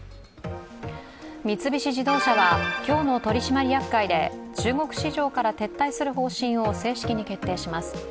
三菱自動車は今日の取締役会で中国市場から撤退する方針を正式に決定します